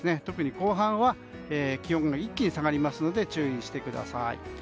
特に後半は気温が一気に下がるので注意してください。